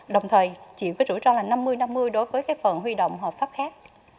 đồng thời chịu rủi ro năm mươi năm mươi đối với phần huy động hợp pháp khác